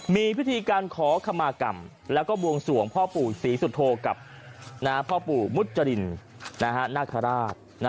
มีพิธีการขอขมากรรมแล้วก็บวงสวงพ่อปู่ศรีสุโธกับพ่อปู่มุจรินนาคาราช